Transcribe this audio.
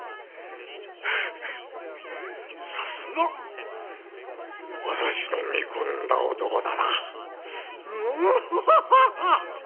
さすが私の見込んだ男だな。